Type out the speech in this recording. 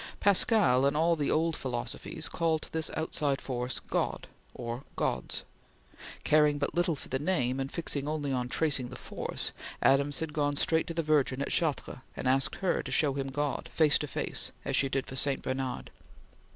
Pascal and all the old philosophies called this outside force God or Gods. Caring but little for the name, and fixed only on tracing the Force, Adams had gone straight to the Virgin at Chartres, and asked her to show him God, face to face, as she did for St. Bernard.